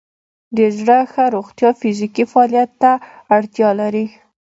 د زړه ښه روغتیا فزیکي فعالیت ته اړتیا لري.